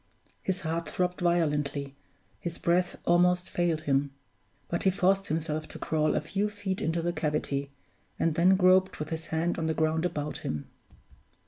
His heart throbbed violently, his breath almost failed him; but he forced himself to crawl a few feet into the cavity, and then groped with his hand on the ground about him.